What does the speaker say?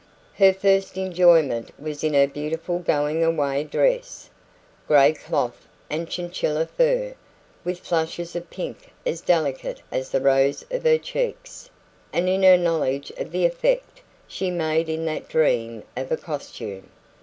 Her first enjoyment was in her beautiful going away dress grey cloth and chinchilla fur, with flushes of pink as delicate as the rose of her cheeks and in her knowledge of the effect she made in that dream of a costume.